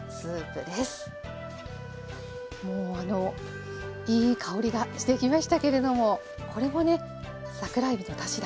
もうあのいい香りがしてきましたけれどもこれもね桜えびのだしだけで。